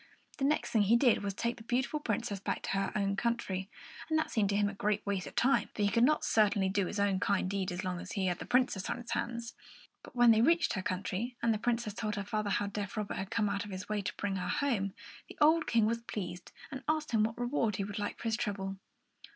The next thing he did was to take the beautiful Princess back to her own country; and that seemed to him a great waste of time, for he could not certainly do his kind deed so long as he had the Princess on his hands. But when they reached her country and the Princess told her father how deaf Robert had come out of his way to bring her home, the old King was pleased, and asked him what reward he would like for his trouble.